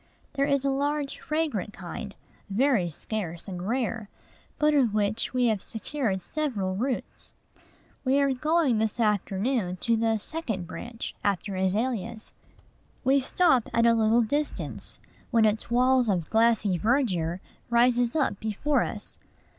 There is a large, fragrant kind, very scarce and rare, but of which we have secured several roots. We are going this afternoon to the "second branch" after azaleas. We stop at a little distance, when its wall of glossy verdure rises up before us.